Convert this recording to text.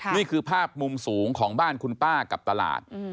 นี่คือภาพมุมสูงของบ้านคุณป้ากับตลาด